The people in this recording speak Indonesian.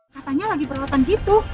katanya lagi berlatan gitu